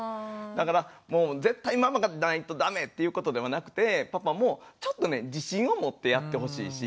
だからもう絶対ママがいないとダメっていうことではなくてパパもちょっとね自信を持ってやってほしいし。